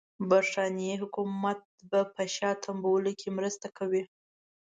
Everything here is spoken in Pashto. برټانیې حکومت به په شا تمبولو کې مرسته کوي.